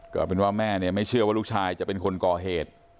ก็เป็นว่าแม่เนี่ยไม่เชื่อว่าลูกชายจะเป็นคนก่อเหตุ